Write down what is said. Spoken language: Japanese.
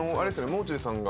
もう中さんが。